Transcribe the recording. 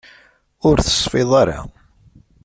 Ur tesfiḍ ara.